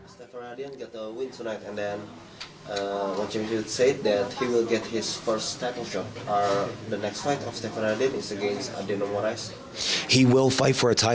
stafir adian akan menang malam ini